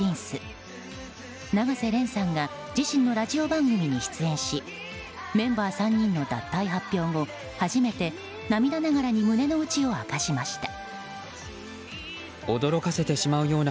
永瀬廉さんが自身のラジオ番組に出演しメンバー３人の脱退発表後初めて涙ながらに胸の内を明かしました。